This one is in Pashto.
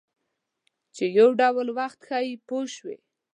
چې یو ډول وخت ښیي پوه شوې!.